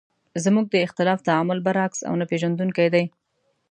زموږ د اختلاف تعامل برعکس او نه پېژندونکی دی.